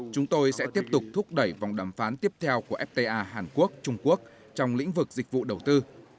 chúng tôi sẽ tiếp tục thúc đẩy vòng đàm phán tiếp theo của fta hàn quốc trung quốc trong lĩnh vực dịch vụ đầu tư